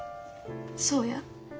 そうや。